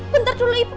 bentar dulu ibu